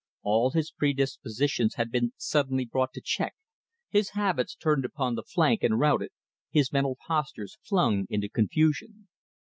All his predispositions had been suddenly brought to check, his habits turned upon the flank and routed, his mental postures flung into confusion.